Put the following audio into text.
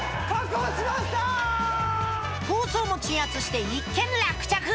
抗争も鎮圧して一件落着！